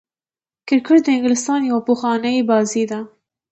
کرکټ د انګلستان يوه پخوانۍ بازي ده.